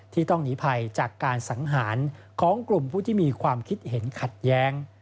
ที่ต้องหนีภัยจากการสังหารของกลุ่มผู้ที่มีความคิดเห็นขัดแย้ง